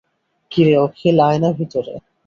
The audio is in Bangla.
কী রে অখিল, আয় না ভিতরে।